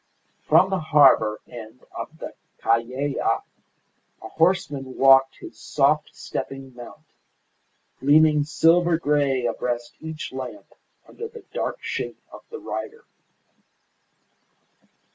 From the harbour end of the Calle a horseman walked his soft stepping mount, gleaming silver grey abreast each lamp under the dark shape of the rider.